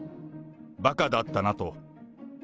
ばかだったなと。